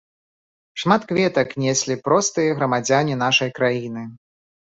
Шмат кветак неслі простыя грамадзяне нашай краіны.